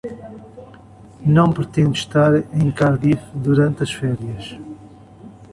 Não pretendo estar em Cardiff durante as férias.